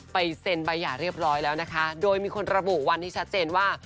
เซ็นใบหย่าเรียบร้อยแล้วนะคะโดยมีคนระบุวันที่ชัดเจนว่า